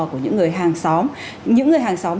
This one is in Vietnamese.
của những người hàng xóm những người hàng xóm